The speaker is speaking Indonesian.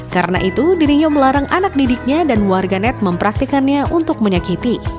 karena itu dirinya melarang anak didiknya dan warganet mempraktikannya untuk menyakiti